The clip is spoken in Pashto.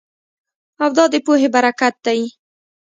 او دا د پوهې برکت دی